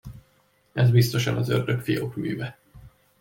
Ez biztosan az ördögfiók műve.